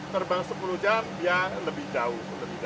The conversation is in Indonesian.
terbang sepuluh jam dia lebih jauh